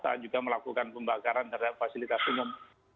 kita juga melakukan pembakaran terhadap fasilitas umum